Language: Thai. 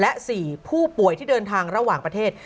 และ๔ผู้ป่วยที่เดินทางระหว่างประเทศ